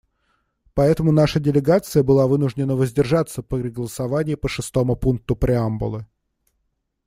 Поэтому наша делегация была вынуждена воздержаться при голосовании по шестому пункту преамбулы.